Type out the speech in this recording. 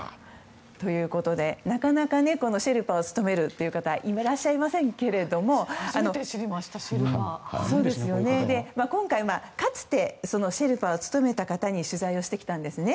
ということでなかなかシェルパを務める方いらっしゃいませんけれども今回、かつてシェルパを務めた方取材をしてきました。